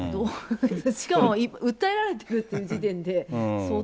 しかも訴えられてるという時点で、相当。